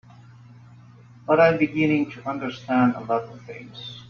But I'm beginning to understand a lot of things.